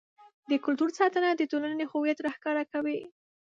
د کلتور ساتنه د ټولنې هویت راښکاره کوي.